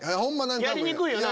やりにくいよな。